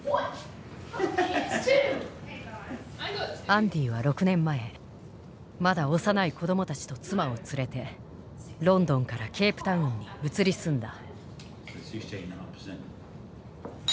アンディは６年前まだ幼い子どもたちと妻を連れてロンドンからケープタウンに移り住んだ。